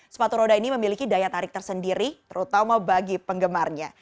sepatu roda ini memiliki daya tarik tersendiri terutama bagi penggemarnya